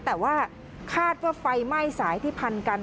แต่ว่าคาดว่าไฟไหม้สายที่พันกัน